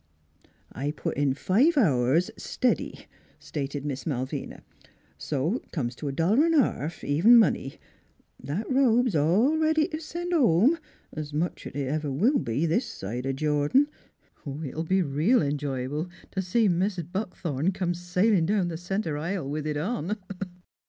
" I put in five hours, stiddy," stated Miss Mal vina. " So it comes t' a dollar V a half, even money. That robe 's all ready t' send home 's much 's it ever will be this side o' Jordan. ... It'll be reel enjoyable t' see Mis' Buckthorn come sailin' down th' center aisle with it on.